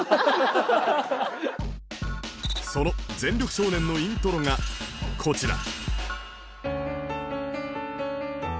その『全力少年』のイントロがこちら